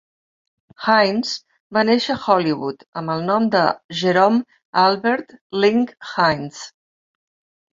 Hines va néixer a Hollywood amb el nom de Jerome Albert Link Heinz.